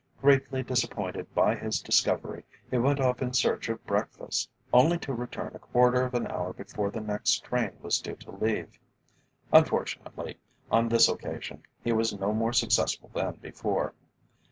Greatly disappointed by his discovery, he went off in search of breakfast, only to return a quarter of an hour before the next train was due to leave. Unfortunately, on this occasion, he was no more successful than before.